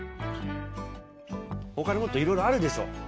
他にもっといろいろあるでしょ。